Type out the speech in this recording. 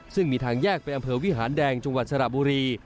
ซึ่งมีทางแยกไปอำเภอวิหารแดงจังหวัดสระบุรี